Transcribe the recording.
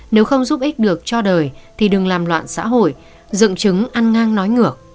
nếu không giúp ích được cho đời thì đừng làm loạn xã hội dựng chứng ăn ngang nói ngược